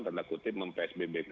tanda kutip mem psbb